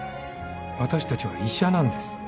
私たちは医者なんです。